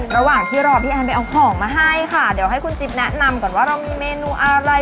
ระหว่างที่รอพี่แอนไปเอาของมาให้ค่ะเดี๋ยวให้คุณจิ๊บแนะนำก่อนว่าเรามีเมนูอะไร